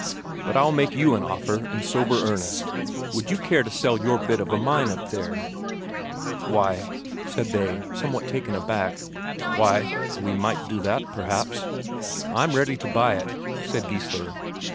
"But I'll make you an offer in sober earnest: would you care to sell your bit of a mine up there?" "Why," said they, somewhat taken aback "why, we might do that, perhaps." "I'm ready to buy it," said Geissler.